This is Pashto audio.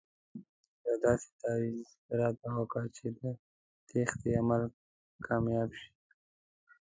یو داسې تاویز راته وکاږه چې د تېښتې عمل کامیاب شي.